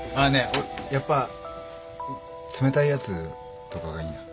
俺やっぱ冷たいヤツとかがいいな。